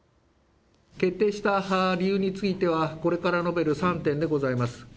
決定した理由についてはこれから述べる３点でございます。